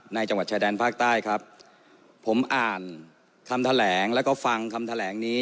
จังหวัดชายแดนภาคใต้ครับผมอ่านคำแถลงแล้วก็ฟังคำแถลงนี้